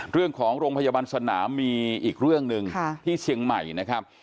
โรงพยาบาลสนามมีอีกเรื่องหนึ่งที่เชียงใหม่นะครับ